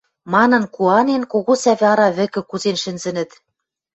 — манын куанен, кого сӓвӹ ара вӹкӹ кузен шӹнзӹнӹт.